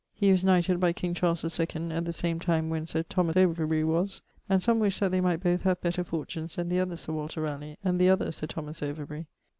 He was knighted by king Charles II at the same time when Sir Thomas Overbury was, and some wished that they might both have better fortunes than the other Sir Walter Ralegh and the other Sir Thomas Overbury.